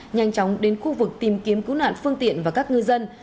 nhanh chóng đến khu vực tìm kiếm cứu nạn phương tiện và các ngư dân